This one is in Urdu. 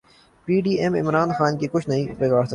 پی ڈی ایم عمران خان کا کچھ نہیں بگاڑسکتی